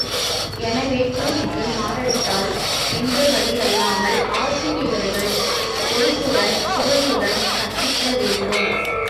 எனவே, கூலிக்கு மாரடித்தல் என்றபடியில்லாமல், ஆசிரியர்கள் பொறுப்புடனும் சுவையுடனும் கற்பிக்க வேண்டும்.